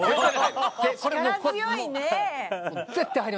力強いね！